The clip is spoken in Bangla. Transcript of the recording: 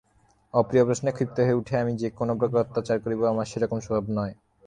অপ্রিয় প্রশ্নে ক্ষিপ্ত হয়ে উঠে আমি যে কোনোপ্রকার অত্যাচার করব আমার সেরকম স্বভাব নয়।